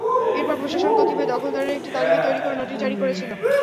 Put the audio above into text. এরপর প্রশাসন কতিপয় দখলদারের একটি তালিকা তৈরি করে নোটিশ জারি করেছিল।